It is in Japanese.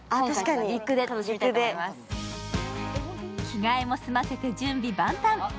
着替えも済ませて準備万端。